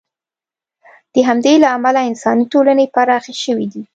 د همدې له امله انساني ټولنې پراخې شوې دي.